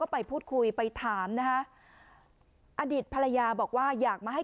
ไปพูดคุยไปถามอดีตภรรยาอยากมาให้